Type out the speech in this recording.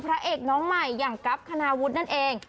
พระเอกน้องใหม่อย่างกั๊บคณาวุฒินั่นเอง